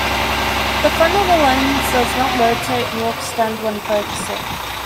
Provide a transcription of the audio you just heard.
The front of the lens does not rotate nor extend when focusing.